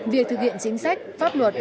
việc thực hiện chính sách pháp luật